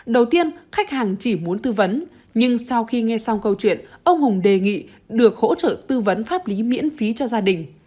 đầu tiên khách hàng chỉ muốn tư vấn nhưng sau khi nghe xong câu chuyện ông hùng đề nghị được hỗ trợ tư vấn pháp lý miễn phí cho gia đình